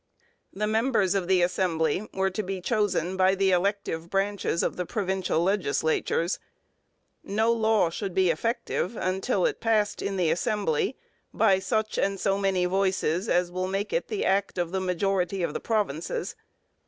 The members of the assembly were to be chosen by the elective branches of the provincial legislatures. No law should be effective until it passed in the assembly 'by such and so many voices as will make it the Act of the majority of the Provinces.'